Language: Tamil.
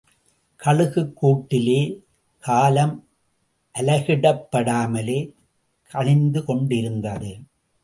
கழுகுக் கூட்டிலே, காலம் அலகிடப்படாமலே கழிந்துகொண்டிருந்தது.